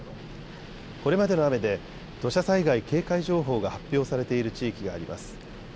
これまでの雨で土砂災害警戒情報が発表されている地域があります。